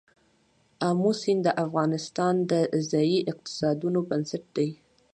آمو سیند د افغانستان د ځایي اقتصادونو بنسټ دی.